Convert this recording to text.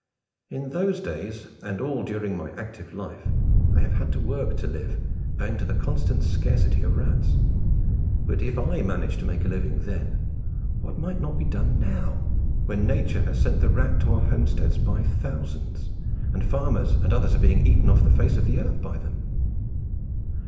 In those days, and during all my active life, I have had to work to live, owing to the constant scarcity of rats; but if I managed to make a living then, what might not be done now, when Nature has sent the rat to our homesteads by thousands, and farmers and others are being eaten off the face of the earth by them?